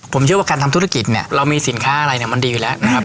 ผมเชื่อว่าการทำธุรกิจเนี่ยเรามีสินค้าอะไรเนี่ยมันดีอยู่แล้วนะครับ